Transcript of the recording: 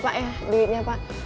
pak ya bibitnya pak